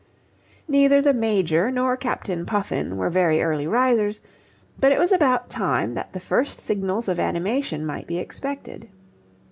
Neither the Major nor Captain Puffin were very early risers, but it was about time that the first signals of animation might be expected.